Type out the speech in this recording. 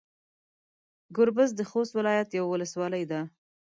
ګوربز د خوست ولايت يوه ولسوالي ده.